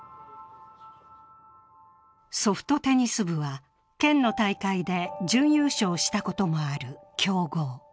ソフトテニス部は県の大会で準優勝したこともある強豪。